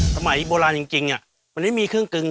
สมัยโบราณจริงมันไม่มีเครื่องกึง